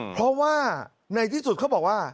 เพราะว่าในที่สุดเขาบอกว่า